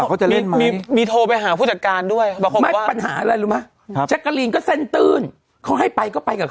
วิการติดต่อไปหาพี่หนุ่มท